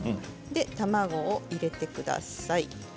卵を入れてください。